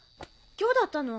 今日だったの。